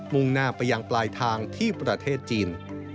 ่งหน้าไปยังปลายทางที่ประเทศจีน